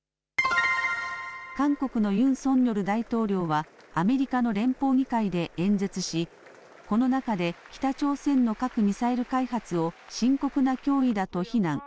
韓国のユン・ソンニョル大統領はアメリカの連邦議会で演説しこの中で北朝鮮の核・ミサイル開発を深刻な脅威だと非難。